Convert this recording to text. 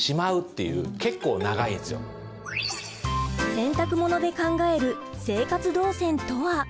洗濯物で考える生活動線とは？